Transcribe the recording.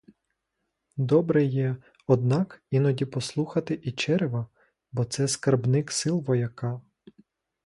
Добре є, однак, іноді послухати і черева, бо це скарбник сил вояка.